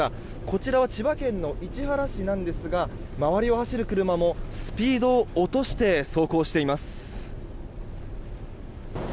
こちらは千葉県の市原市なんですが周りを走る車もスピードを落として走行しています。